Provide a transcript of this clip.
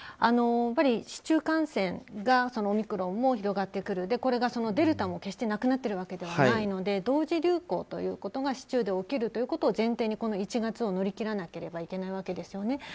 市中感染がオミクロンも広がってくるこれがデルタも決してなくなっているわけではないので同時流行ということが市中で起こるということを前提にこの１月を乗り切らなければいけないわけですよね。